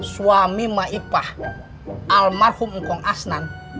suami mak ipah almarhum ngkong asnan